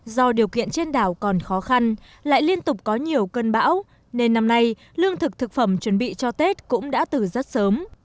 do điều kiện trên đảo còn khó khăn lại liên tục có nhiều cơn bão nên năm nay lương thực thực phẩm chuẩn bị cho tết cũng đã từ rất sớm